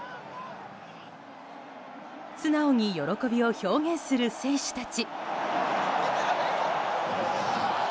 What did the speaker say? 素直に喜びを表現する選手たち。